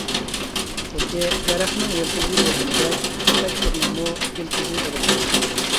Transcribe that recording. خۇددى دەرەخنىڭ يىلتىزى بولغىنىدەك، تەپەككۇرنىڭمۇ يىلتىزى بولىدۇ.